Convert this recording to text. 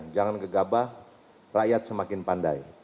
jangan gegabah rakyat semakin pandai